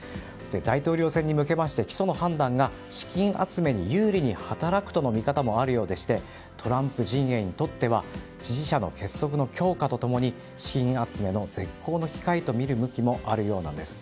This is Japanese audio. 大統領選に向けて起訴の判断が資金集めに有利に働くとの見方もあるようでしてトランプ陣営にとっては支持者の結束の強化と共に資金集めの絶好の機会とみる向きもあるようなんです。